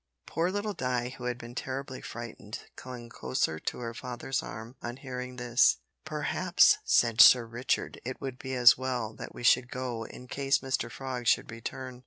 Poor little Di, who had been terribly frightened, clung closer to her father's arm on hearing this. "Perhaps," said Sir Richard, "it would be as well that we should go, in case Mr Frog should return."